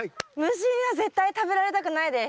虫には絶対食べられたくないです。